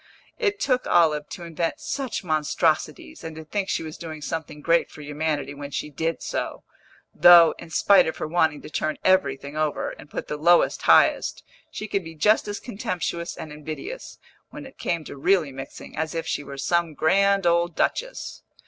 It took Olive to invent such monstrosities, and to think she was doing something great for humanity when she did so; though, in spite of her wanting to turn everything over, and put the lowest highest, she could be just as contemptuous and invidious, when it came to really mixing, as if she were some grand old duchess.